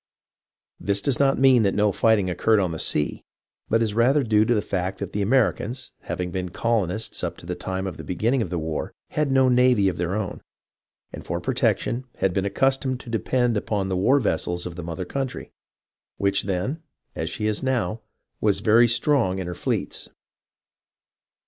This does not mean that no fighting occurred on the sea, but is the rather due to the fact that the Americans, having been colonists up to the time of the beginning of the war, had had no navy of their own, and for protection had been accustomed to depend upon the war vessels of the mother country, which then, as she is now, was very strong in her fleets.